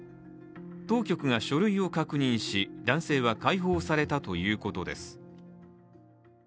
当局が書類を確認し男性は解放されたということです。